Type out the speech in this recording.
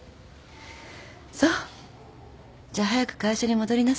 じゃあ早く会社に戻りなさい。